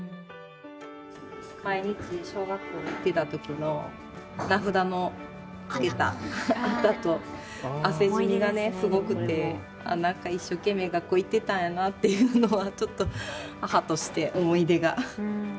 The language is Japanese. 毎日小学校に行ってた時の名札のかけたあと汗染みがねすごくてなんか一生懸命学校行ってたんやなっていうのはちょっと母として思い出が。